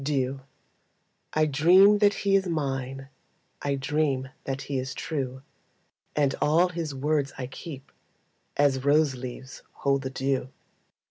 Dew I dream that he is mine, I dream that he is true, And all his words I keep As rose leaves hold the dew.